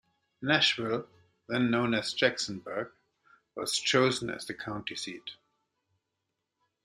Nashville, then known as Jacksonburg, was chosen as the county seat.